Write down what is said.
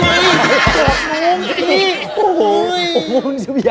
ไม่จบน้องนี่โอ้โฮเอ้ย